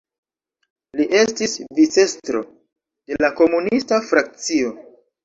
Li estis vicestro de la komunista frakcio.